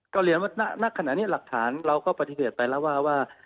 ก็เรียนว่าณขณะนี้หลักฐานเราก็ปฏิเสธไปแล้วว่า